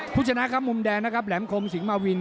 ชนะครับมุมแดงนะครับแหลมคมสิงหมาวิน